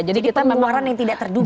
jadi pengeluaran yang tidak terduga